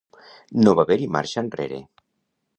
No haver-hi marxa enrere.